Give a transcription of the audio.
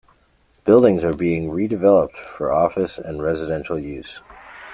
Buildings are being redeveloped for office and residential uses.